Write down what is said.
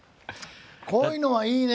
こういうのはいいね。